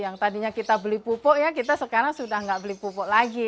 yang tadinya kita beli pupuk ya kita sekarang sudah nggak beli pupuk lagi